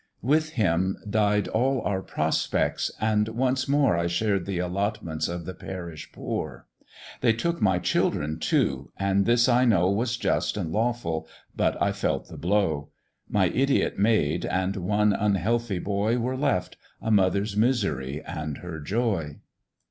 "With him died all our prospects, and once more I shared th' allotments of the parish poor; They took my children too, and this I know Was just and lawful, but I felt the blow: My idiot maid and one unhealthy boy Were left, a mother's misery and her joy.